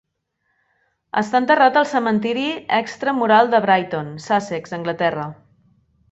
Està enterrat al cementiri Extra Mural de Brighton, Sussex (Anglaterra).